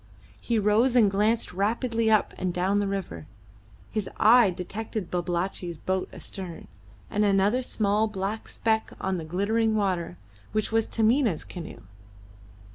He rose and glanced rapidly up and down the river. His eye detected Babalatchi's boat astern, and another small black speck on the glittering water, which was Taminah's canoe.